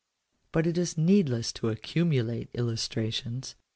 But it is needless to accumulate illustrations.